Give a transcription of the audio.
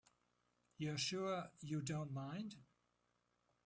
You're sure you don't mind?